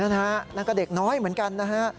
นั่นก็เด็กน้อยเหมือนกันนะฮะ